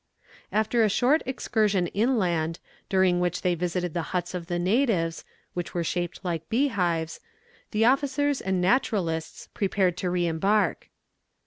] After a short excursion inland, during which they visited the huts of the natives, which were shaped like beehives, the officers and naturalists prepared to re embark.